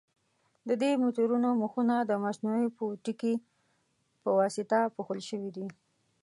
د دې مترونو مخونه د مصنوعي پوټکي په واسطه پوښل شوي دي.